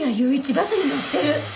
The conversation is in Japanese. バスに乗ってる！